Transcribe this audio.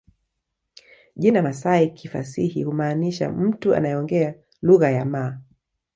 Jina Masai kifasihi humaanisha mtu anayeongea lugha ya Maa